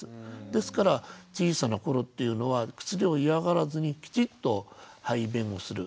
ですから小さな頃っていうのは薬を嫌がらずにきちっと排便をする。